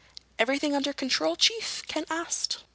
"Everything under control, Chief?" Ken asked.